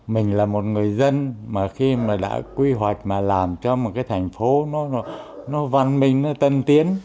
mình là một người dân mà khi mà đã quy hoạch mà làm cho một cái thành phố nó văn minh nó tân tiến